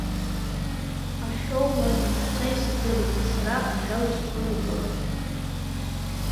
Ашәоу уазу са исыздырам, сара ажәала исҳәон акы.